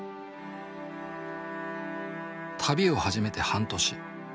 旅を始めて半年。